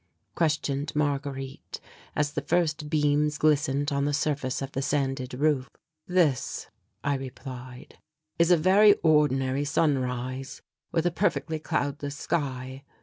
questioned Marguerite, as the first beams glistened on the surface of the sanded roof. "This," I replied, "is a very ordinary sunrise with a perfectly cloudless sky.